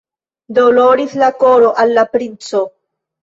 Doloris la koro al la princo!